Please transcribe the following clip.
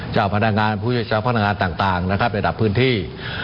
เจ้าพนักงานผู้ช่วยเจ้าพนักงานต่างนะครับระดับพื้นที่